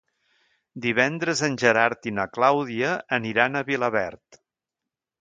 Divendres en Gerard i na Clàudia aniran a Vilaverd.